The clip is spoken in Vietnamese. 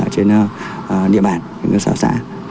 trên địa bàn trên cơ sở xã